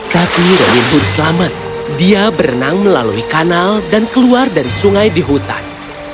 tapi dari turis selamat dia berenang melalui kanal dan keluar dari sungai di hutan